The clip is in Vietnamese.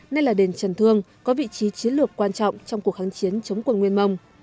nay là đền trần thương có vị trí chiến lược quan trọng trong cuộc kháng chiến chống quân nguyên mông